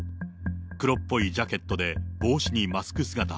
黒っぽいジャケットで、帽子にマスク姿。